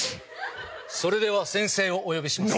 それでは先生をお呼びします。